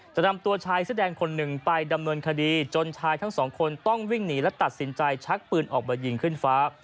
จะนำตัวชายเสื้อแดงคนหนึ่งไปดำเนินคดีจนชายทั้งสองคนต้องวิ่งหนีและตัดสินใจชักปืนออกมายิงขึ้นฟ้า